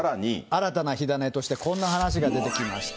新たな火種として、こんな話が出てきました。